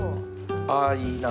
ああいいな。